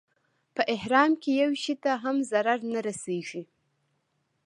په احرام کې یو شي ته هم ضرر نه رسېږي.